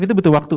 itu butuh waktu